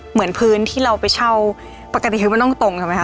เหมือนพื้นที่เราไปเช่าปกติคือมันต้องตรงใช่ไหมค